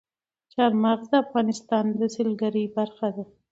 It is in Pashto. چار مغز د افغانستان د سیلګرۍ برخه ده.